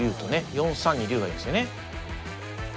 ４三に竜がいるんですよね。